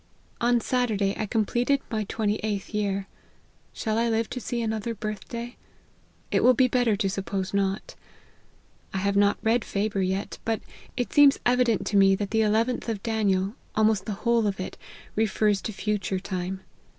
On Saturday, I completed my twenty eighth year. Shall I live to see another birth day ? it will be better ,to suppose not. I have not read Faber yet ; but it seems evident to me that the Xlth of Daniel, almost the whole of it, refers to future time.